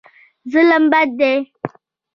ظلم بد دی.